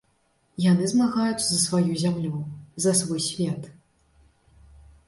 Яны змагаюцца за сваю зямлю, за свой свет.